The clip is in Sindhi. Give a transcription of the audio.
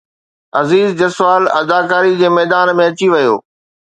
عزير جسوال اداڪاري جي ميدان ۾ اچي ويو